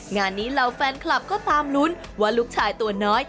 งานนี้เหล่าแฟนคลับก็ตามลุ้นว่าลูกชายตัวน้อย